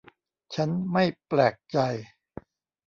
ฉันไม่แปลกใจ